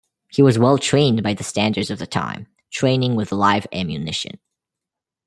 He was well trained by the standards of the time, training with live ammunition.